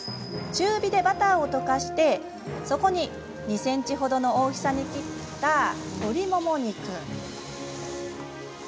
中火でバターを溶かしてそこに２ｃｍほどの大きさに切った鶏もも肉。